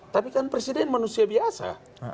tapi kan presiden manusia biasa